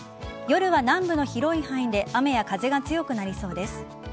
夜は南部の広い範囲で雨や風が強くなりそうです。